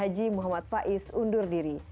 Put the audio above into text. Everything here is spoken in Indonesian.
haji muhammad faiz undur diri